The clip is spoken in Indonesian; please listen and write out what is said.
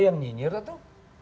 yang nyinyir itu